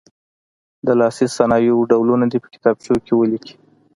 د لاسي صنایعو ډولونه دې په کتابچو کې ولیکي.